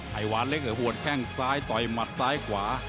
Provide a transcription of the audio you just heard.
ไอวานเล็กหัวแข้งซ้ายต่อยหมัดซ้ายขวา